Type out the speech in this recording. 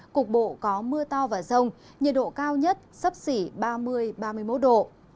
cục bộ có mưa to và rông nhiệt độ cao nhất sấp xỉ ba mươi ba mươi một độ